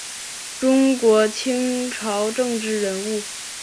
中国清朝政治人物。